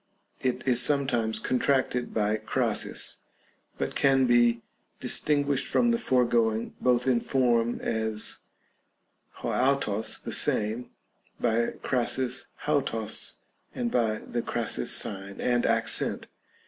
It is sometimes contracted by Crasis, but can be distinguished from the foregoing both in form, as 6 avTos (the same) by Crasis avros, and by the Crasis sign and accent.